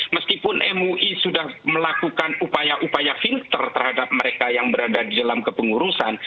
meskipun mui sudah melakukan upaya upaya filter terhadap mereka yang berada di dalam kepengurusan